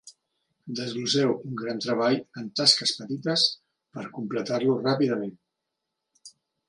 Desglosseu un gran treball en tasques petites per completar-lo ràpidament.